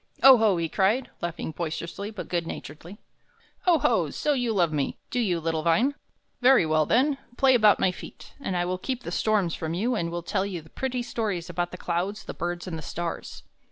"Oho!" he cried, laughing boisterously, but good naturedly, "oho! so you love me, do you, little vine? Very well, then; play about my feet, and I will keep the storms from you and will tell you pretty stories about the clouds, the birds, and the stars."